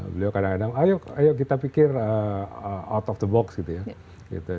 beliau kadang kadang ayo kita pikir out of the box gitu ya